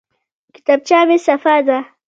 کتابچه مې صفا ده.